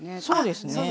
そうですね。